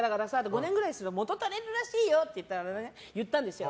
５年ぐらいすれば元とれるらしいよって言ったんですよ。